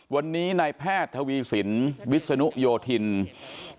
วันนี้ในแพทย์ทวีศิลป์วิศนุโยธินคร์